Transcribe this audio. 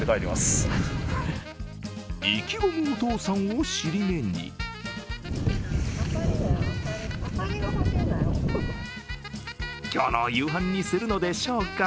意気込むお父さんを尻目に今日のお夕飯にするのでしょうか。